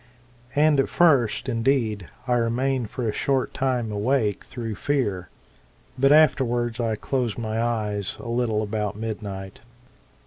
And at first, indeed, I remained for a short time awake through fear ; but afterwards I closed my eyes a little about midnight.